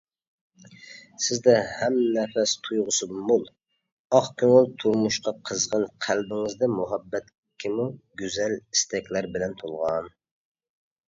سىزدە ھەمنەپەس تۇيغۇسى مول، ئاق كۆڭۈل، تۇرمۇشقا قىزغىن، قەلبىڭىزدە مۇھەببەتكىمۇ گۈزەل ئىستەكلەر بىلەن تولغان.